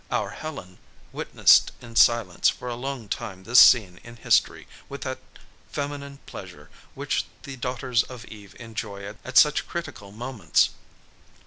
Our Helen witnessed in silence for a long time this scene in history with that feminine pleasure which the daughters of Eve enjoy at such critical moments.